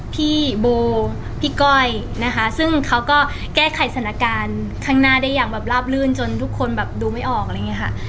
พี่โบพี่ก้อยนะคะซึ่งเขาก็แก้ไขสถานการณ์ข้างหน้าได้อย่างแบบลาบลื่นจนทุกคนแบบดูไม่ออกอะไรอย่างนี้ค่ะ